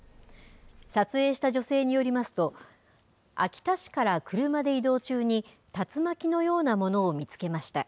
撮影した女性によりますと秋田市から車で移動中に竜巻のようなものを見つけました